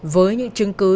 với những chứng cứ